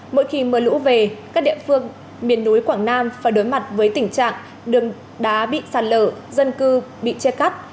mỗi khi mưa lũ về các địa phương miền núi quảng nam phải đối mặt với tình trạng đường đá bị sạt lở dân cư bị chia cắt